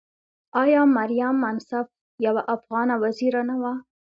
آیا مریم منصف یوه افغانه وزیره نه وه؟